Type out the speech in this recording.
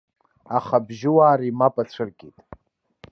Аха абыжьуаа ари мап ацәыркит.